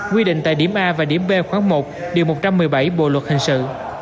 quy định tại điểm a và điểm b khoảng một điều một trăm một mươi bảy bộ luật hình sự